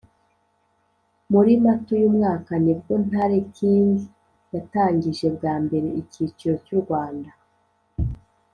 muri mata uyu mwaka ni bwo ntare king yatangije bwa mbere icyiciro cy'u rwanda.